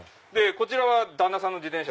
こちらは旦那さんの自転車。